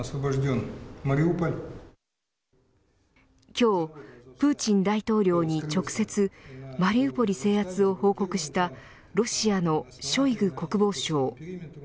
今日プーチン大統領に直接、マリウポリ制圧を報告したロシアのショイグ国防相。